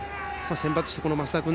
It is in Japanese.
先発した升田君